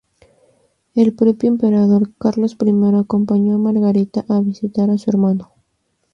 El propio emperador Carlos I acompañó a Margarita a visitar a su hermano.